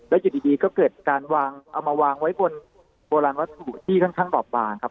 แล้วอยู่ดีก็เกิดการวางเอามาวางไว้บนโบราณวัตถุที่ค่อนข้างบอบบางครับ